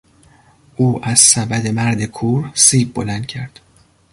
او از سبد مرد کور، سیب بلند کرد.